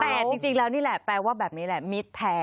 แต่จริงแล้วนี่แหละแปลว่าแบบนี้แหละมิตรแท้